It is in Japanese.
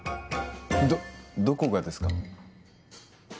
どどこがですか？